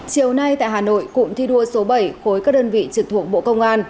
chiều nay tại hà nội cụm thi đua số bảy khối các đơn vị trực thuộc bộ công an